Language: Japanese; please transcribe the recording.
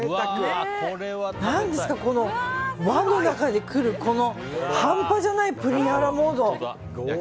何ですか、この和の中に来る半端じゃないプリンアラモード。